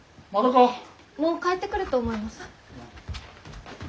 もう帰ってくると思います。